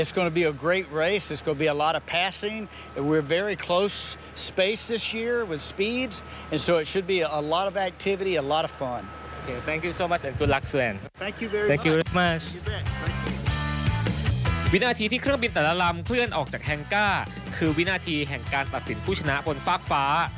วินาทีที่เครื่องบินแต่ละลำเคลื่อนออกจากแฮงก้าคือวินาทีแห่งการตัดสินผู้ชนะบนฟากฟ้า